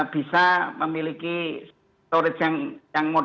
bisa memiliki storage yang